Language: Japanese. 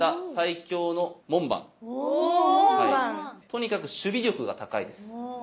とにかく守備力が高いです。